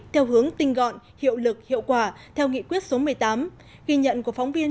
theo hướng tinh gọn hiệu lực hiệu quả theo nghị quyết số một mươi tám ghi nhận của phóng viên